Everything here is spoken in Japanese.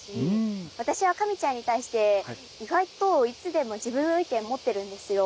私はかみちゃんに対して意外といつでも自分の意見持ってるんですよ。